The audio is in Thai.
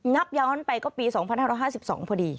นับย้อนไปก็ปี๒๕๕๒พอดี